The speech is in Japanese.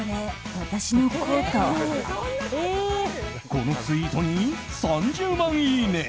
このツイートに３０万いいね！